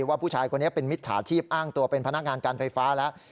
ว่าผู้ชายคนนี้เป็นมิจฉาชีพอ้างตัวเป็นพนักงานการไฟฟ้าแล้ว